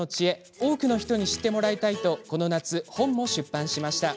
多くの人に知ってもらいたいとこの夏、本を出版しました。